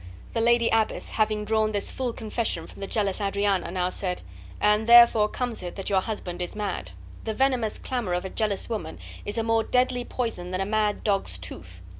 The lady abbess, having drawn this full confession from the jealous Adriana, now said: "And therefore comes it that your husband is mad. The venomous clamor of a jealous woman is a more deadly poison than a mad dog's tooth.